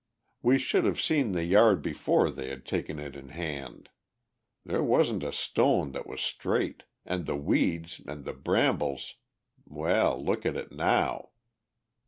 We should have seen the yard before they had taken it in hand! There wasn't a stone that was straight, and the weeds and the brambles well, look at it now.